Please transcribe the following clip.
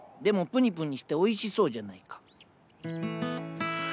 でもプニプニしておいしそうじゃないか。